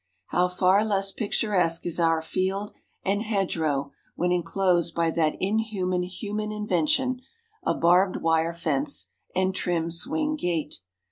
How far less picturesque is our field and hedgerow when inclosed by that inhuman human invention, a barbed wire fence, and trim swing gate.